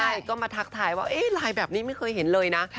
ใช่ก็มาทักทายว่าไลน์แบบนี้ไม่เคยเห็นเลยนะ